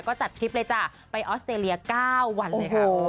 ก็จัดทริปเลยจ้ะไปออสเตรเลียก้าววันเลยครับโอ้โห